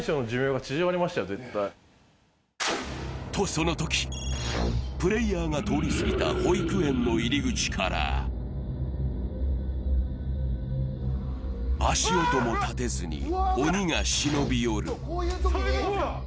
とそのとき、プレーヤーが通り過ぎた保育園の入り口から足音も立てずに鬼が忍び寄る。